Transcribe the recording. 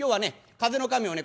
風の神をね